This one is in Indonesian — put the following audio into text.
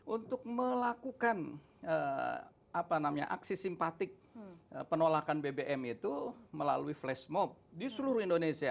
untuk melakukan aksi simpatik penolakan bbm itu melalui flash mob di seluruh indonesia